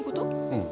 うん。